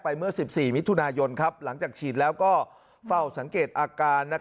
เมื่อ๑๔มิถุนายนหลังจากฉีดแล้วก็เฝ้าสังเกตอาการ